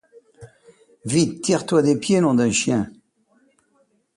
Vite, tire-toi des pieds, nom d’un chien !